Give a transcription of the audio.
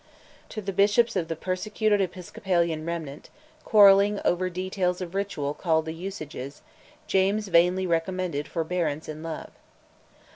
To the bishops of the persecuted Episcopalian remnant, quarrelling over details of ritual called "the Usages," James vainly recommended "forbearance in love."